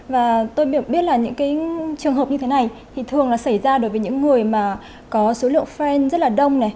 và tôi biết là những cái trường hợp như thế này thì thường là xảy ra đối với những người mà có số lượng friend rất là đông